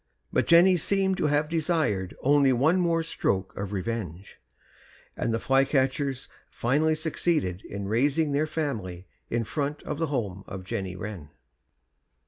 But Jenny seemed to have desired only one more stroke of revenge, and the flycatchers finally succeeded in raising their family in front of the home of Jenny Wren.